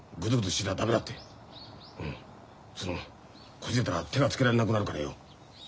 うんそのこじれたら手がつけられなくなるからよ。